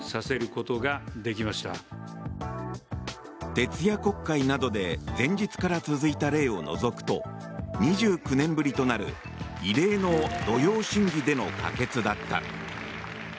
徹夜国会などで前日から続いた例を除くと２９年ぶりとなる異例の土曜審議での可決だった。